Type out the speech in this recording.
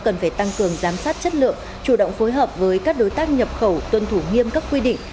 cần phải tăng cường giám sát chất lượng chủ động phối hợp với các đối tác nhập khẩu tuân thủ nghiêm các quy định